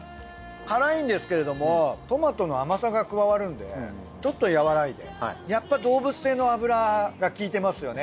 辛いんですけれどもトマトの甘さが加わるんでちょっと和らいでやっぱ動物性の脂が効いてますよね。